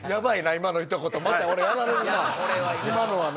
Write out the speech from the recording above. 今のひと言また俺やられるな